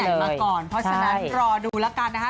เพราะฉะนั้นกัดรอดูละกันนะฮะ